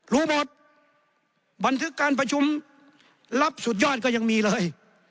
รู้หมดบันทึกการประชุมรับสุดยอดก็ยังมีเลย